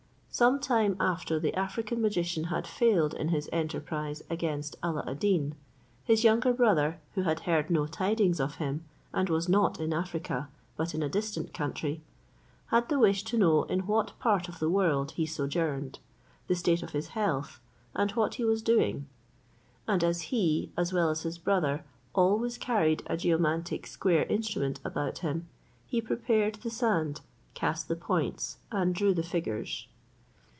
Some time after the African magician had failed in his enterprise against Alla ad Deen, his younger brother, who had heard no tidings of him, and was not in Africa, but in a distant country, had the wish to know in what part of the world he sojourned, the state of his health, and what he was doing; and as he, as well as his brother, always carried a geomantic square instrument about him, he prepared the sand, cast the points, and drew the figures.